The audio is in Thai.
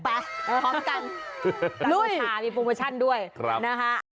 พร้อมกันนูชามีโปรโมชั่นด้วยนะฮะ